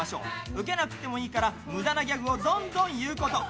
受けなくてもいいから、むだなギャグをどんどん言うこと。